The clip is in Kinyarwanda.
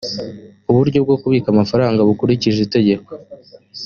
uburyo bwo kubika amafaranga bikurikije itegeko